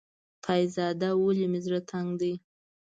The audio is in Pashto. خدازده ولې مې زړه تنګ دی.